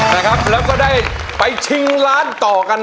นะครับแล้วก็ได้ไปชิงล้านต่อกัน